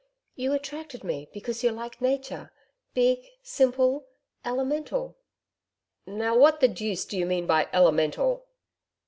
You attracted me because you're like nature big, simple, elemental.' 'Now, what the deuce do you mean by elemental?'